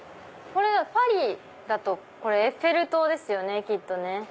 パリだとこれエッフェル塔ですよねきっと。